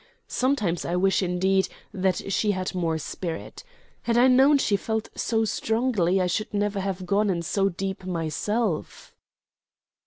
Sometimes I wish, indeed, that she had more spirit. Had I known she felt so strongly I should never have gone in so deep myself."